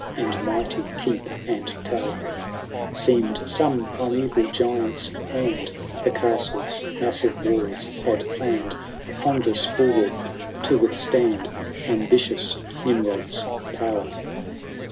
And mighty keep and tower ; SeemM some primeval giant's hand The castle's massive walls had plann'd, A ponderous bulwark to withstand Ambitious Nimrod's power.